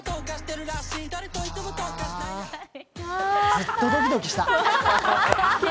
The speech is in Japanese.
ずっとドキドキした。